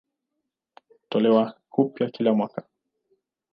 Hutolewa upya kila mwaka.